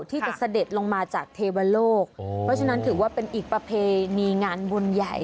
เสด็จลงมาจากเทวโลกเพราะฉะนั้นถือว่าเป็นอีกประเพณีงานบุญใหญ่